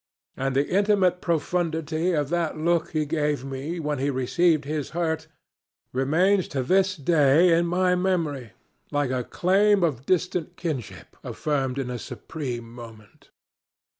And the intimate profundity of that look he gave me when he received his hurt remains to this day in my memory like a claim of distant kinship affirmed in a supreme moment.